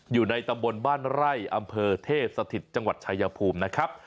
อยู่ในตำบลบ้านไร่อำเภอเทพสถิตจังหวัดชายภูมินะครับ